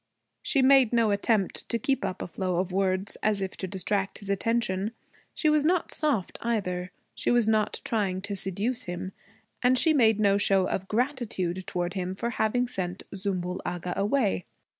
She made no attempt to keep up a flow of words, as if to distract his attention. She was not soft either; she was not trying to seduce him: And she made no show of gratitude toward him for having sent Zümbül Agha away.